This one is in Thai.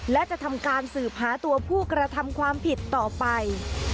และจะทำการสืบหาตัวผู้กระทำความผิดต่อไป